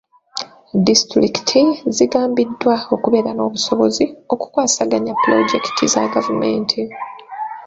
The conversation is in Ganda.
Disitulikiti zigambiddwa okubeera n'obusobozi okukwasaganya pulojekiti za gavumenti.